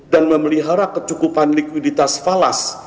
dan memelihara kecukupan likuiditas falas